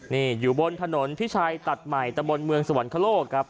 นี่อยู่บนถนนพิชัยตัดใหม่ตะบนเมืองสวรรคโลกครับ